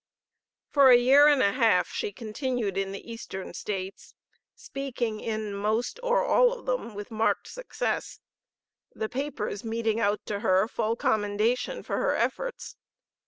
For a year and a half she continued in the Eastern States, speaking in most or all of them with marked success; the papers meting out to her full commendation for her efforts.